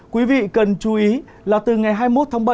quý vị cần chú ý là từ ngày hai mươi một tháng bảy